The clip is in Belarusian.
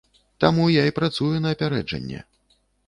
Таму я і працую на апярэджанне.